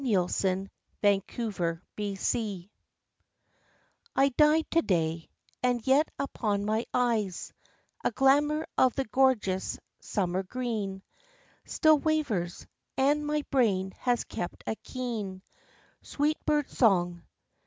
XIII Alpha and Omega I died to day, and yet upon my eyes A glamour of the gorgeous summer green Still wavers, and my brain has kept a keen, Sweet bird song.